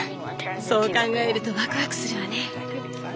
そう考えるとワクワクするわね！